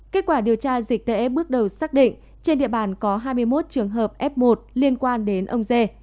kết quả điều tra dịch tễ bước đầu xác định trên địa bàn có hai mươi một trường hợp f một liên quan đến ông dê